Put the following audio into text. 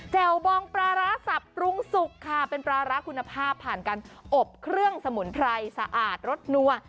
วบองปลาร้าสับปรุงสุกค่ะเป็นปลาร้าคุณภาพผ่านการอบเครื่องสมุนไพรสะอาดรสนัว